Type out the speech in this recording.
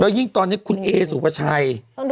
แล้วยิ่งตอนนี้คุณเอซูก็ใช่